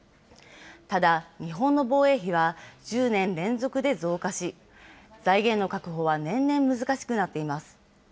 ただ、日本の防衛費は、１０年連続で増加し、財源の確保は年々難しくなっています。